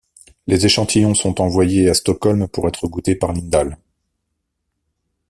Les échantillons sont envoyés à Stockholm pour être goûtés par Lindahl.